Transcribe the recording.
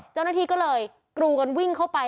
เจ้าหน้าที่ก็เลยกรูกันวิ่งเข้าไป